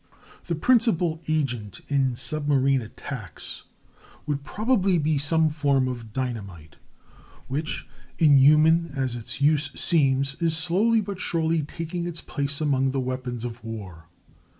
] The principal agent in submarine attacks would probably be some form of dynamite, which, inhuman as its use seems, is slowly but surely taking its place among the weapons of war.